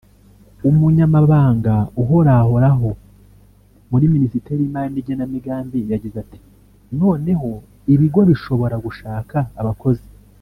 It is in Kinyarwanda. Umunyamabanga uhorahoraho muri Minisiteri y’imari n’igenamigambi yagize ati “Noneho ibigo bishobora gushaka abakozi